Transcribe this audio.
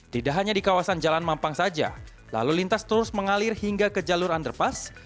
tidak hanya di kawasan jalan mampang saja lalu lintas terus mengalir hingga ke jalur underpass